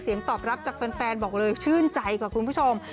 ตอบรับจากแฟนบอกเลยชื่นใจกว่าคุณผู้ชม